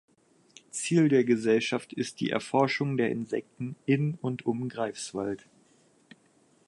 Ziel der Gesellschaft ist die Erforschung der Insekten in und um Greifswald.